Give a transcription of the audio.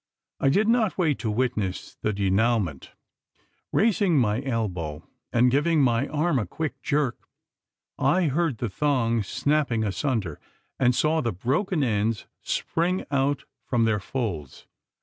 I did not wait to witness the denouement. Raising my elbow, and giving my arm a quick jerk, I heard the thong snapping asunder; and saw the broken ends spring out from their folds.